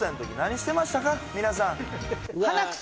皆さん